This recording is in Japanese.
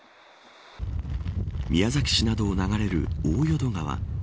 宮崎市などを流れる大淀川。